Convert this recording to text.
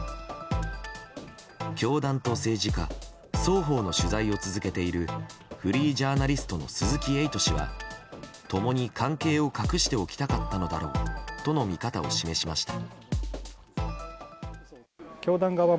教団と政治家双方の取材を続けているフリージャーナリストの鈴木エイト氏は共に関係を隠しておきたかったのだろうとの見方を示しました。